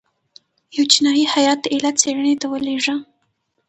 یو چینایي هیات د علت څېړنې ته ولېږه.